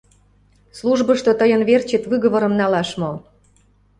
Службышто тыйын верчет выговорым налаш мо?